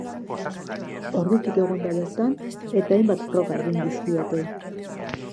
Ordutik egon da bertan eta hainbat froga egin dizkiote.